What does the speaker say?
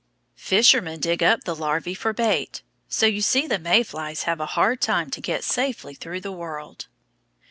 Fishermen dig up the larvæ for bait, so you see the May flies have a hard time to get safely through the world.